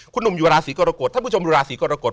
คุณหนุ่มอยู่ราศีกรกฎท่านผู้ชมอยู่ราศีกรกฎ